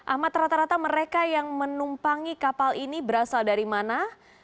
ahmad rata rata mereka yang menumpangi kapal ini berasal dari mana